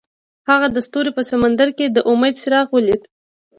هغه د ستوري په سمندر کې د امید څراغ ولید.